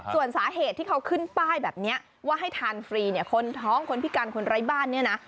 ส่วนสาเหตุที่เขาขึ้นป้ายแบบนี้ว่าให้ทานฟรีเนี่ยคนท้องคนพิการคนไร้บ้านเนี่ยนะ